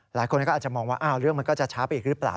หลายคนก็อาจจะมองว่าเรื่องมันก็จะช้าไปอีกหรือเปล่า